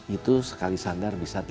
itu sekali sandar bisa delapan tongkang